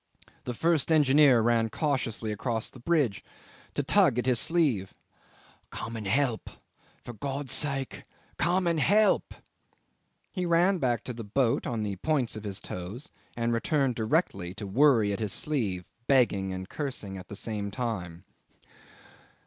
The first engineer ran cautiously across the bridge to tug at his sleeve. '"Come and help! For God's sake, come and help!" 'He ran back to the boat on the points of his toes, and returned directly to worry at his sleeve, begging and cursing at the same time.